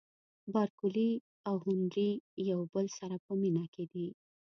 بارکلي او هنري یو له بل سره په مینه کې دي.